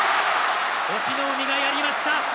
隠岐の海がやりました。